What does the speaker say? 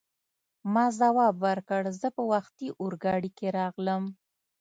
ما ځواب ورکړ: زه په وختي اورګاډي کې راغلم.